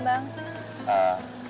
rum mau kemana